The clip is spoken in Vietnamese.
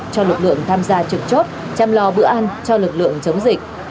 cho lực lượng tham gia trực chốt chăm lo bữa ăn cho lực lượng chống dịch